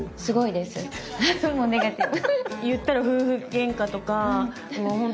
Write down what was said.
もうネガティブ。